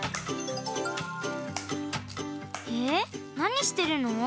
えっなにしてるの？